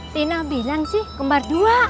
tina bilang sih kembar dua